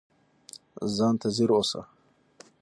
ځان ته ځیر اوسه